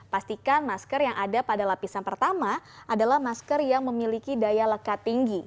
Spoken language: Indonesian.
pastikan masker yang ada pada lapisan pertama adalah masker yang memiliki daya lekat tinggi